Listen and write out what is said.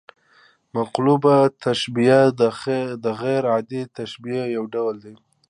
مقلوبه تشبیه د غـير عادي تشبیه یو ډول دئ.